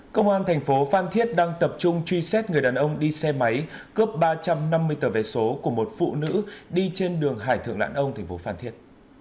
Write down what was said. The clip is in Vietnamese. công an thành phố phan thiết đang tập trung truy xét người đàn ông đi xe máy cướp ba trăm năm mươi tờ vé số của một phụ nữ đi trên đường hải thượng lãn ông thành phố phan thiết